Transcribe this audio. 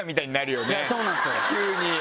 急に。